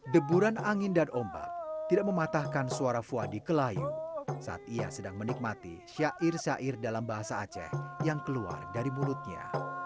deburan angin dan ombak tidak mematahkan suara fuadi kelayu saat ia sedang menikmati syair syair dalam bahasa aceh yang keluar dari mulutnya